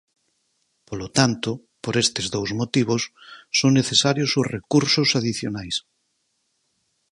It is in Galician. Polo tanto, por estes dous motivos, son necesarios os recursos adicionais.